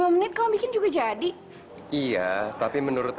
mungkin akan pernah mau mendi bisa ga jadikanframe dengan friction